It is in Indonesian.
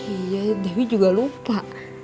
iya dewi juga lupa